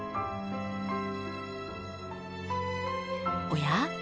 おや？